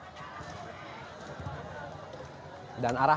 mudah jangan dibantu bantu mundur